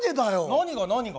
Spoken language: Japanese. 何が何が？